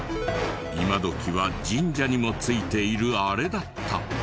今どきは神社にもついているあれだった。